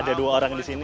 ada dua orang di sini